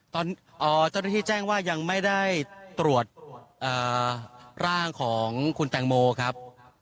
เจ้าหน้าที่แจ้งว่ายังไม่ได้ตรวจร่างของคุณแตงโมครับ